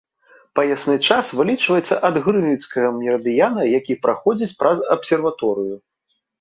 Паясны час вылічваецца ад грынвіцкага мерыдыяна, які праходзіць праз абсерваторыю.